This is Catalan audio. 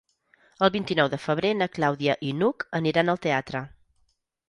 El vint-i-nou de febrer na Clàudia i n'Hug aniran al teatre.